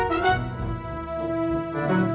hai hai bark